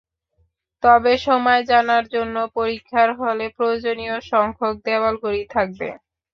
তবে সময় জানার জন্য পরীক্ষার হলে প্রয়োজনীয় সংখ্যক দেয়াল ঘড়ি থাকবে।